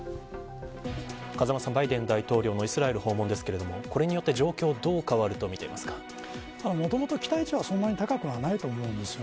風間さん、バイデン大統領イスラエル訪問ですがこれによって状況はもともと期待値はそんなに高くないと思うんです。